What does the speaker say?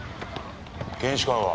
検視官は？